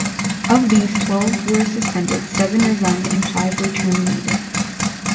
Of these, twelve were suspended, seven resigned, and five were terminated.